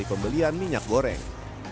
pembelian minyak goreng